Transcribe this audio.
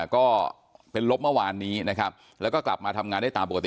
ก็เป็นลบเมื่อวานนี้นะครับแล้วก็กลับมาทำงานได้ตามปกติ